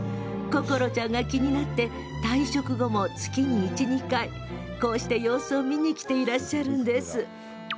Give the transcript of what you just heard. ココロちゃんが気になって退職後も月に１２回こうして様子を見に来ていらっしゃるんです。